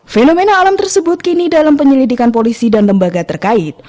fenomena alam tersebut kini dalam penyelidikan polisi dan lembaga terkait